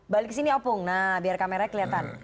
balik ke sini opung nah biar kamera kelihatan